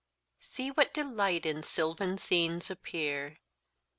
"See what delight in sylvan scenes appear!"